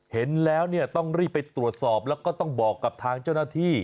เห็นแล้วเนี่ยต้องรีบไปตรวจสอบแล้วก็ต้องบอกกับทางเจ้าหน้าที่